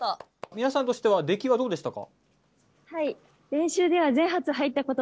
皆さんとしては出来はどうでしたか？